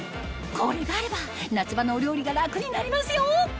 これがあれば夏場のお料理が楽になりますよ！